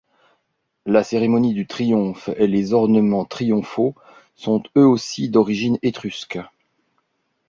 La cérémonie du triomphe et les ornements triomphaux sont eux aussi d'origine étrusque.